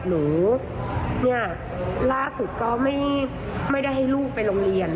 หนูเนี่ยล่าสุดก็ไม่ได้ให้ลูกไปโรงเรียน